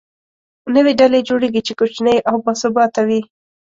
نوې ډلې جوړېږي، چې کوچنۍ او باثباته وي.